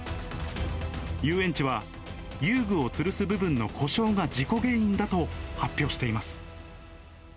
遊園地は、遊具をつるす部分の故障が事故原因だと発表しています。